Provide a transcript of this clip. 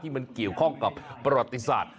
มันเกี่ยวข้องกับประวัติศาสตร์